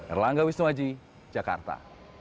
erlangga wisnuaji jakarta